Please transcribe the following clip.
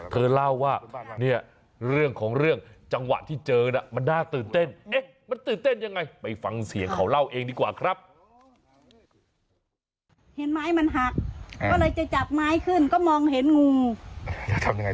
ก็เลยตกใจหมดเลยก็เลยถ่ายรูปแล้วเอาไปให้เค้าดูว่ามันตัวอะไร